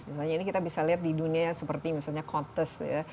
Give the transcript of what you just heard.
misalnya ini kita bisa lihat di dunia seperti misalnya kotas ya